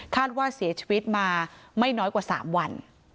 ว่าเสียชีวิตมาไม่น้อยกว่า๓วัน